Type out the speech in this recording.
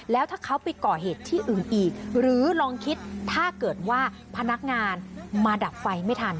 แล้วถ้าเขาไปก่อเหตุที่อื่นอีกหรือลองคิดถ้าเกิดว่าพนักงานมาดับไฟไม่ทัน